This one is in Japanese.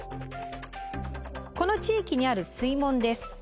この地域にある水門です。